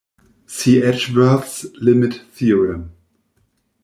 See Edgeworth's limit theorem.